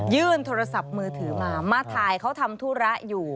โทรศัพท์มือถือมามาถ่ายเขาทำธุระอยู่